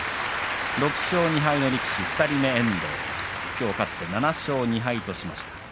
６勝２敗の力士２人目の遠藤きょう勝って７勝２敗としました。